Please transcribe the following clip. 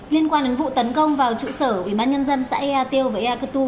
liên quan đến vụ tấn công vào trụ sở ủy ban nhân dân xã ea tiêu và ea cơ tu